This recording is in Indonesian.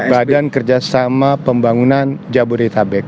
badan kerjasama pembangunan jabodetabek